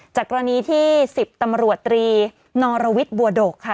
กรณีที่๑๐ตำรวจตรีนอรวิทย์บัวดกค่ะ